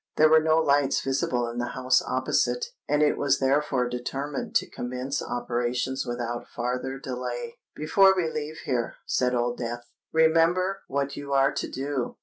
There were no lights visible in the house opposite; and it was therefore determined to commence operations without farther delay. "Before we leave here," said Old Death, "remember what you are to do.